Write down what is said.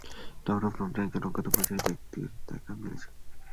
Tower of লন্ডনে একজন অজ্ঞাত পরিচয়ের ব্যক্তির দেখা মিলেছে!